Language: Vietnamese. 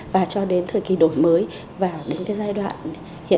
và cho đến thời kỳ đấu tranh